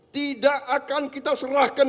tidak akan kita serahkan